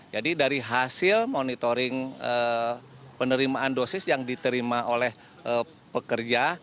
jadi dari hasil monitoring penerimaan dosis yang diterima oleh pekerja